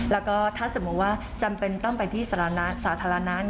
แล้วก็ถ้าสมมุติว่าจำเป็นต้องไปที่สาธารณะ